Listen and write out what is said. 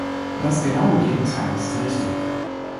Das genaue Gegenteil ist richtig.